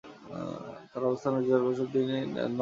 তার অবস্থান এবং জনপ্রিয়তা সত্ত্বেও তিনি একজন নম্র শিল্পী ছিলেন।